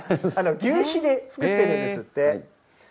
ぎゅうひで作ってるんですって。